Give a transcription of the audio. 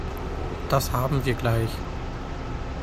Das haben wir gleich.